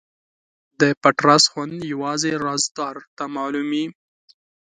د پټ راز خوند یوازې رازدار ته معلوم وي.